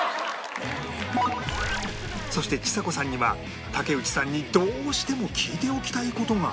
そしてちさ子さんには竹内さんにどうしても聞いておきたい事が